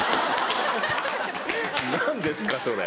「何ですかそれ」。